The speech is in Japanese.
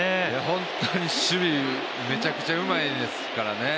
本当に守備、めちゃくちゃうまいですからね。